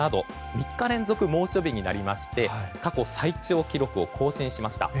３日連続猛暑日になりまして過去最長記録を更新しました。